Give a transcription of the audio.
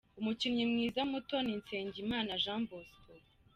Umukinnyi mwiza muto ni Nsengimana Jean Bosco.